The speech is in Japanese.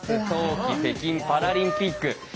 冬季北京パラリンピック。